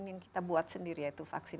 yang kita buat sendiri yaitu vaksin